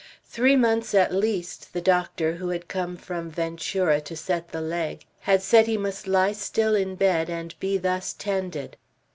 Three months, at least, the doctor, who had come from Ventura to set the leg, had said he must lie still in bed and be thus tended.